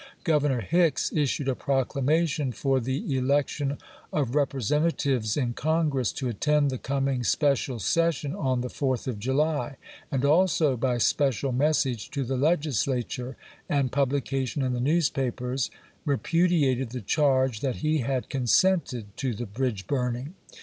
Governor Hicks issued a proclamation for the elec tion of Representatives in Congress to attend the coming special session on the 4th of July ; and also, by special message to the Legislature and publi cation in the newspapers, repudiated the charge that he had consented to the bridge burning.